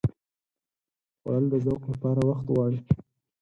خوړل د ذوق لپاره وخت غواړي